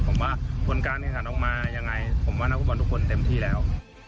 ผมว่าพลการขัดออกมายังไงผมว่าทุกคนทุกคนเต็มที่แล้ว